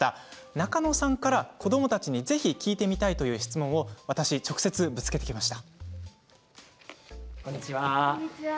中野さんから子どもたちにぜひ聞いてみたいという質問を私直接ぶつけてきました。